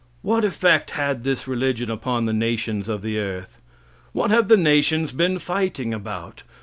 What effect had this religion upon the nations of the earth? What have the nations been fighting about?